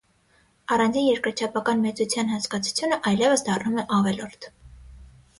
Առանձին երկրափաչական մեծության հասկացությունը այլևս դառնում է ավելորդ։